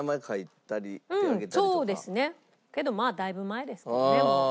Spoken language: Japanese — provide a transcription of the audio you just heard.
けどまあだいぶ前ですけどね。